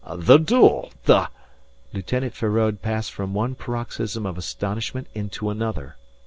"The duel! The..." Lieutenant Feraud passed from one paroxysm of astonishment into another.